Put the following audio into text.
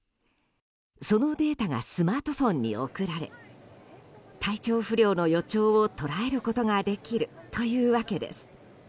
そのデータがスマートフォンに送られ体調不良の予兆を捉えることができるというわけです。